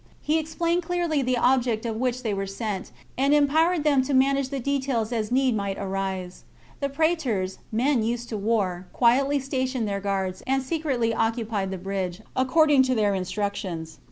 He explained clearly the object on which they were sent, and em 38 THE CONSPIRACY OF CATILINE. CHAP, powered them to manage the details as need might arise. The praetors, men used to war, quietly sta tioned their guards, and secretly occupied the bridge, according to their instructions.